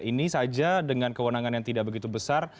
ini saja dengan kewenangan yang tidak begitu besar